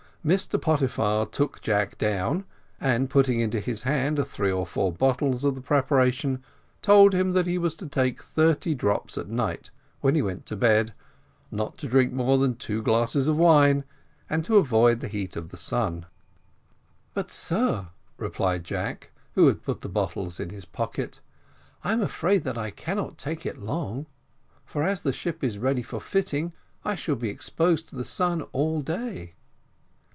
Mr Pottyfar took Jack down, and putting into his hand three or four bottles of the preparation, told him that he was to take thirty drops at night, when he went to bed, not to drink more than two glasses of wine, and to avoid the heat of the sun. "But, sir," replied Jack, who had put the bottles in his pocket, "I am afraid that I cannot take it for long; for as the ship is ready for fitting, I shall be exposed to the sun all day."